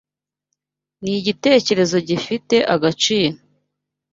Nigitekerezo gifite agaciro.